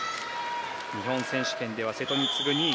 日本選手権では瀬戸に次ぐ２位。